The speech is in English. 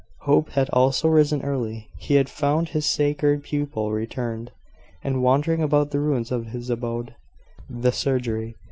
Hope had also risen early. He had found his scared pupil returned, and wandering about the ruins of his abode, the surgery.